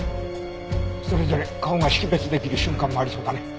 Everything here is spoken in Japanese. それぞれ顔が識別できる瞬間もありそうだね。